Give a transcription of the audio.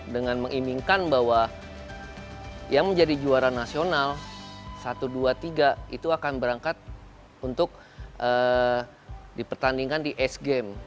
dengan mengimingkan bahwa yang menjadi juara nasional satu dua tiga itu akan berangkat untuk dipertandingkan di es game